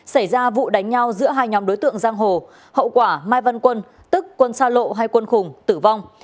xảy ra vụ đánh nhau giữa hai nhóm đối tượng giang hồ hậu quả mai văn quân tức quân sa lộ hay quân khủng